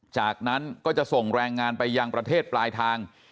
จากนั้นก็จะส่งแรงงานไปยังประเทศปลายทาง